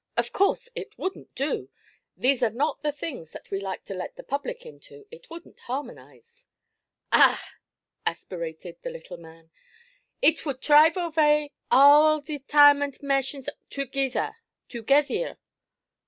'Of course it wouldn't do! These are not the things that we like to let the public into. It wouldn't harmonize.' 'Ah h h!' aspirated the little man. 'It would trive away awal the tiamont mershants togetheer!